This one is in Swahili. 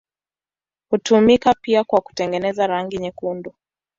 Hutumika pia kwa kutengeneza rangi nyekundu.